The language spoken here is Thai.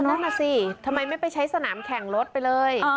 นั่นน่ะสิทำไมไม่ไปใช้สนามแข่งรถไปเลย